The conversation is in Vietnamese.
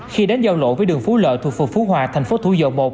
khi đến giao lộ với đường phú lợi thuộc phường phú hòa thành phố thủ dầu một